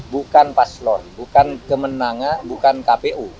bukan paslon bukan kemenangan bukan kpu